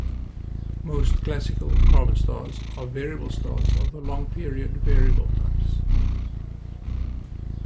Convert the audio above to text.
Most classical carbon stars are variable stars of the long period variable types.